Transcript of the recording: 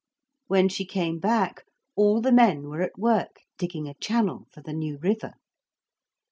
When she came back all the men were at work digging a channel for the new river.